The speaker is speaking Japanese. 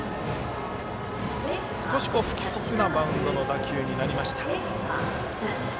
少し不規則なバウンドの打球になりました。